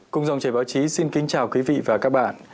cùng dòng chảy báo chí xin kính chào quý vị và các bạn